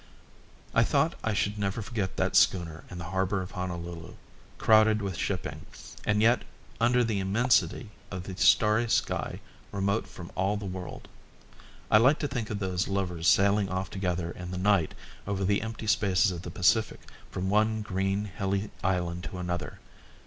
I thought I should never forget that schooner in the harbour of Honolulu, crowded with shipping, and yet, under the immensity of the starry sky, remote from all the world. I liked to think of those lovers sailing off together in the night over the empty spaces of the Pacific from one green, hilly island to another.